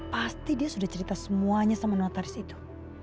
pasti dia sudah cerita semuanya sama notaris itu